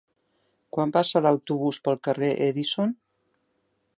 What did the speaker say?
Quan passa l'autobús pel carrer Edison?